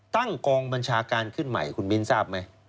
ตั้งกองบัญชาการขึ้นใหม่คุณมิ้นทราบไหม